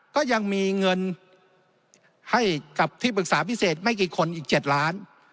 ก็ยังมีเงินให้กับที่ปรึกษาพิเศษไม่กี่คนอีก๗ล้าน